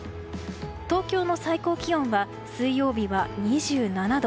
東京の最高気温は水曜日は２７度。